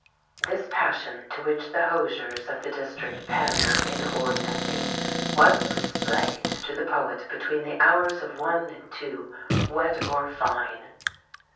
This passion, to which the hosiers of the district pander inordinately, was displayed to the poet between the hours of one and two, wet or fine.